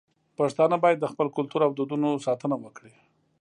پښتانه بايد د خپل کلتور او دودونو ساتنه وکړي.